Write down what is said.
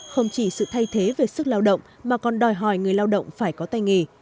không chỉ sự thay thế về sức lao động mà còn đòi hỏi người lao động phải có tay nghề